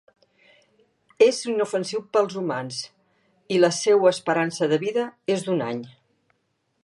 És inofensiu per als humans i la seua esperança de vida és d'un any.